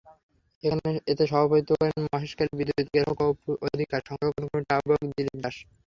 এতে সভাপতিত্ব করেন মহেশখালী বিদ্যুৎ গ্রাহক অধিকার সংরক্ষণ কমিটির আহ্বায়ক দিলীপ দাশ।